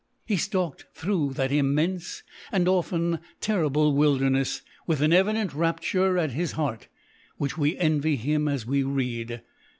He stalked through that immense and often terrible wilderness with an evident rapture at his heart which we envy him as we read.